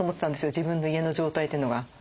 自分の家の状態というのが。